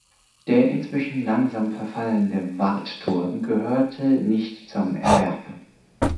Der inzwischen langsam verfallende Wartturm gehörte nicht zum Erwerb.